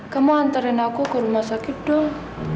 kamu antarin aku ke rumah sakit dong